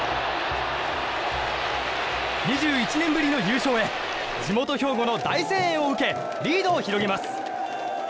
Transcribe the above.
２１年ぶりの優勝へ地元・兵庫の大声援を受けリードを広げます。